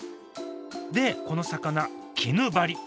でこの魚キヌバリ。